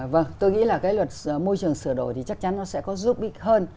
vâng tôi nghĩ là cái luật môi trường sửa đổi thì chắc chắn nó sẽ có giúp ích hơn